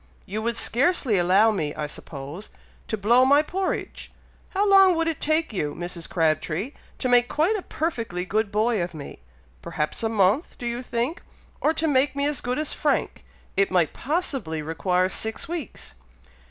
you would scarcely allow me, I suppose, to blow my porridge! how long would it take you, Mrs. Crabtree, to make quite a perfectly good boy of me? Perhaps a month, do you think? or to make me as good as Frank, it might possibly require six weeks."